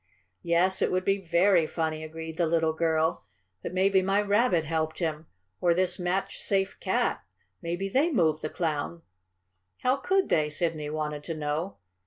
"Yes, it would be very funny," agreed the little girl. "But maybe my Rabbit helped him, or this Match Safe Cat. Maybe they moved the Clown!" "How could they?" Sidney wanted to know.